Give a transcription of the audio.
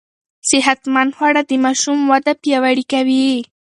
صحتمند خواړه د ماشوم وده پياوړې کوي.